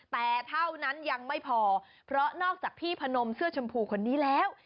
แต่เท่านั้นยังไม่พอเพราะนอกจากพี่พนมเสื้อชมพูคนนี้แล้ว